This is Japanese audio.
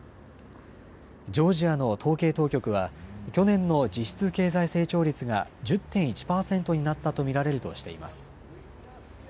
ジョージアの統計当局は、去年の実質経済成長率が１０．１％になったと見られるとしています。